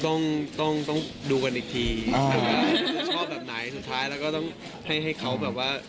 เดี๋ยวคงต้องดูกันอีกทีชอบแบบไหนสุดท้ายเราก็ต้องให้เขาแบบว่า